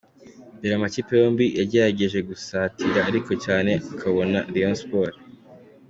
mbere amakipe yombi yagerageje gusatirana ariko cyane ukabona Rayon Sports.